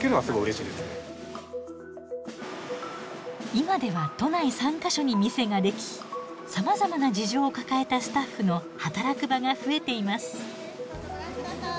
今では都内３か所に店ができさまざまな事情を抱えたスタッフの働く場が増えています。